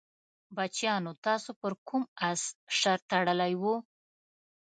بچیانو تاسې پر کوم اس شرط تړلی وو؟